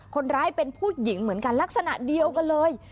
คนร้ายเป็นผู้หญิงเหมือนกันลักษณะเดียวกันเลย